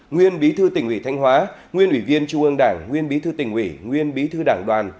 nguyên bí thư tỉnh ủy thanh hóa nguyên ủy viên trung ương đảng nguyên bí thư tỉnh ủy nguyên bí thư đảng đoàn